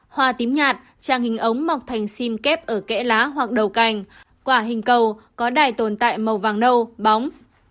hoa tím nhạt trang hình ống mọc thành sim kép ở kẽ lá hoặc đầu cành quả hình cầu có đài tồn tại màu vàng nâu bóng